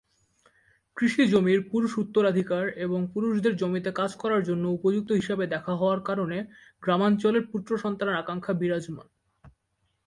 কৃষি জমির পুরুষ উত্তরাধিকার, এবং পুরুষদের জমিতে কাজ করার জন্য উপযুক্ত হিসাবে দেখা হওয়ার কারণে গ্রামাঞ্চলে পুত্র সন্তানের আকাঙ্খা বিরাজমান।